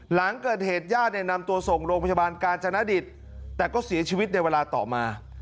หลังเกิดเหตุญาติเนี่ยนำตัวส่งโรงพยาบาลกาญจนดิตแต่ก็เสียชีวิตในเวลาต่อมา